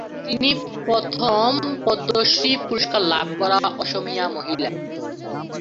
তিনি প্রথম পদ্মশ্রী পুরস্কার লাভ করা অসমীয়া মহিলা।